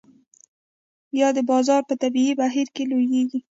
یا د بازار په طبیعي بهیر کې لویږي.